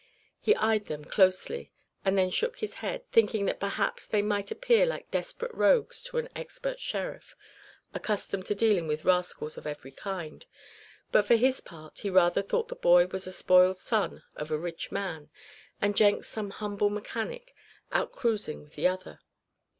He eyed them closely, and then shook his head, thinking that perhaps they might appear like desperate rogues to an expert sheriff, accustomed to dealing with rascals of every kind; but for his part he rather thought the boy was a spoiled son of a rich man, and Jenks some humble mechanic out cruising with the other.